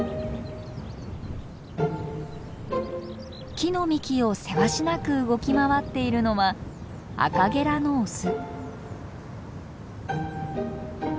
木の幹をせわしなく動き回っているのはアカゲラのオス。